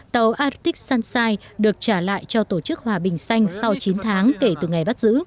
tàu adich sunshine được trả lại cho tổ chức hòa bình xanh sau chín tháng kể từ ngày bắt giữ